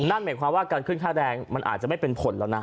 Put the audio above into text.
นั่นหมายความว่าการขึ้นค่าแรงมันอาจจะไม่เป็นผลแล้วนะ